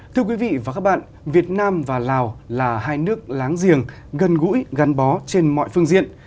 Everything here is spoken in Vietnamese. thưa quý vị và các bạn việt nam và lào là hai nước láng giềng gần gũi gắn bó trên mọi phương diện